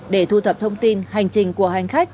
để thu thập thông tin hành trình của hành khách